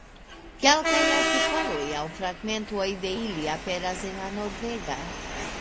Kelkaj artikoloj aŭ fragmentoj de ili aperas en la Norvega.